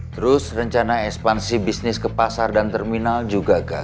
terus rencana ekspansi bisnis ke pasar dan terminal juga gagal